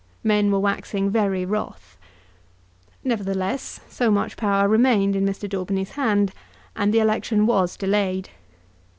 Men were waxing very wrath. Nevertheless, so much power remained in Mr. Daubeny's hand, and the election was delayed.